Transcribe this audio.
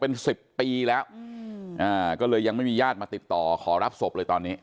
เป็นสิบปีแล้วก็เลยยังไม่มีญาติมาติดต่อขอรับศพเลยตอนนี้